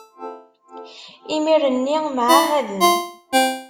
imir-nni mɛahaden.